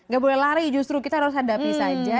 gak boleh lari justru kita harus hadapi saja